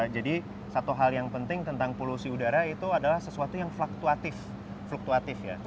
jadi satu hal yang penting tentang polusi udara itu adalah sesuatu yang fluktuatif